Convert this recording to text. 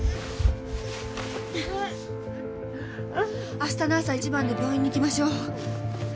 明日の朝一番で病院に行きましょう。